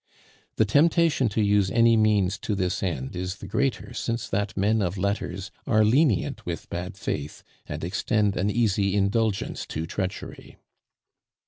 The temptation to use any means to this end is the greater since that men of letters are lenient with bad faith and extend an easy indulgence to treachery.